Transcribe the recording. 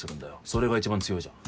それが一番強いじゃん。